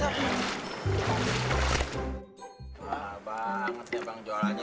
eh cepetan jangan